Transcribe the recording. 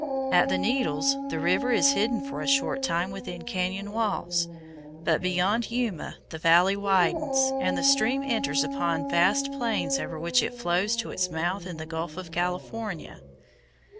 At the Needles the river is hidden for a short time within cañon walls, but beyond Yuma the valley widens, and the stream enters upon vast plains over which it flows to its mouth in the Gulf of California.